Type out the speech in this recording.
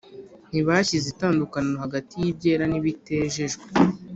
Ntibashyize itandukaniro hagati y’ibyera n’ibitejejwe,